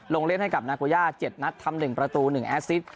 ลงเล่นให้กับนาโกย่า๗นัดทำ๑ประตู๑แอสซิส